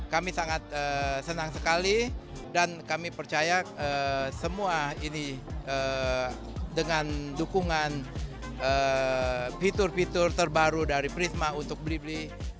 kami sangat senang sekali dan kami percaya semua ini dengan dukungan fitur fitur terbaru dari prisma untuk beli beli